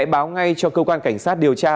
báo ngay cho cơ quan cảnh sát điều tra